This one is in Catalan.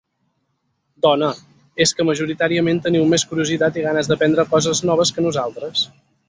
Dona, és que majoritàriament teniu més curiositat i ganes d'aprendre coses noves que nosaltres.